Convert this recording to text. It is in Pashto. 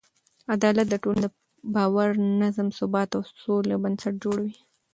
عدالت د ټولنې د باور، نظم، ثبات او سوله بنسټ جوړوي.